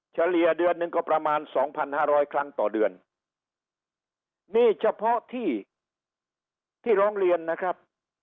เฉลี่ยเดือนนึงก็ประมาณ๒๕๐๐ครั้งต่อเดือนนี่เฉพาะที่ร้องเรียนนะครับ